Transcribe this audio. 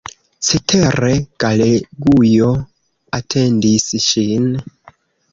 Cetere, Galegujo atendis ŝin.